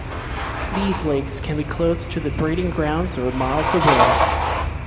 These lakes can be close to the breeding grounds or miles away.